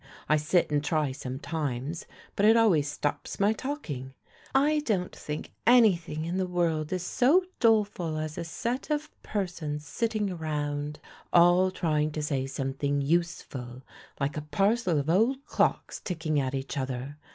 I sit and try sometimes, but it always stops my talking. I don't think any thing in the world is so doleful as a set of persons sitting round, all trying to say something useful, like a parcel of old clocks ticking at each other.